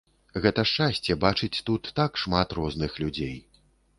Гэта шчасце бачыць тут так шмат розных людзей.